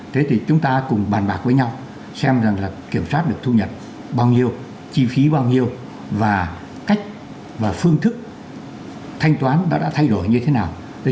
thế thì chúng ta cùng bàn bạc với nhau xem rằng là kiểm soát được thu nhập bao nhiêu chi phí bao nhiêu và cách và phương thức thanh toán đã thay đổi như thế nào